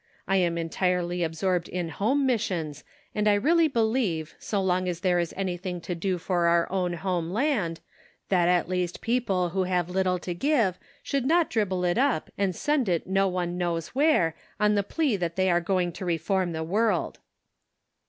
I am entirely absorbed in Home Missions, and I really believe, so long as there is anything to do for our own home land, Seed Sown on Thorny Ground. 227 that at least people, who have but little to give, should not dribble it up and send it no one knows where, on the plea that they are going to reform the world."